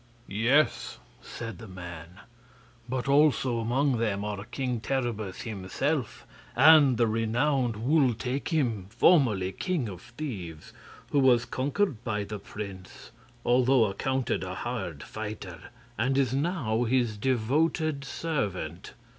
"Yes," said the man, "but also among them are King Terribus himself, and the renowned Wul Takim, formerly king of thieves, who was conquered by the prince, although accounted a hard fighter, and is now his devoted servant.